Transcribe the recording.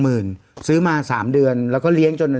พี่ปั๊ดเดี๋ยวมาที่ร้องให้